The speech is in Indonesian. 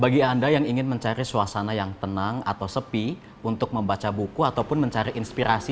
bagi anda yang ingin mencari suasana yang tenang atau sepi untuk membaca buku ataupun mencari inspirasi